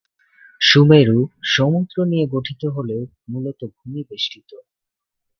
সুমেরু, সমুদ্র নিয়ে গঠিত হলেও মূলত ভূমি বেষ্টিত।